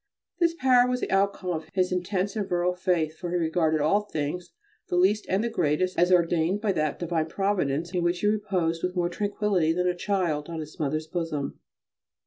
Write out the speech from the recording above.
This power was the outcome of his intense and virile faith, for he regarded all things, the least and the greatest, as ordained by that divine Providence in which he reposed with more tranquility than a child on its mother's bosom.